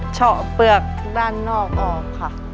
เฉาะเปลือกด้านนอกออกค่ะ